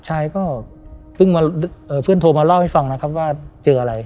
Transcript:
ชายก็เพิ่งมาเพื่อนโทรมาเล่าให้ฟังนะครับว่าเจออะไร